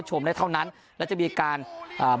ได้เท่านั้นและจะมีการอ่า